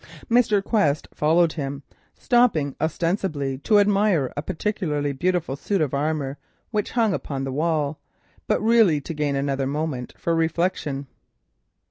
Mr. Quest followed him, stopping, ostensibly to admire a particularly fine suit of armour which hung upon the wall, but really to gain another moment for reflection.